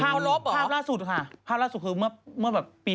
ภาวรบเหรอภาวล่าสุดค่ะภาวล่าสุดคือเมื่อปี๕๘